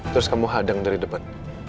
terus kamu hadang dari depan